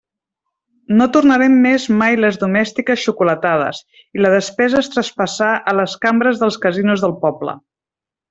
No tornaren més mai les domèstiques xocolatades, i la despesa es traspassà a les cambres dels casinos del poble.